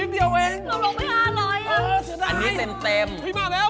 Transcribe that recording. พี่บอกแล้ว